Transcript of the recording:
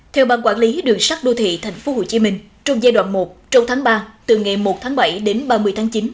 theo ban quản lý đường sắt đô thị tp hcm trong giai đoạn một trong tháng ba từ ngày một tháng bảy đến ba mươi tháng chín